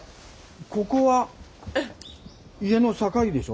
ここは家の境でしょ？